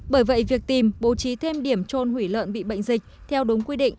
bởi vậy việc tìm bố trí thêm điểm trôn hủy lợn bị bệnh dịch theo đúng quy định